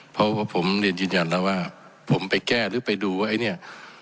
เพราะว่าผมเรียนยืนยันแล้วว่าผมไปแก้หรือไปดูว่าไอ้เนี่ย